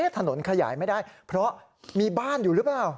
ถนนขยายไม่ได้เพราะมีบ้านอยู่หรือเปล่า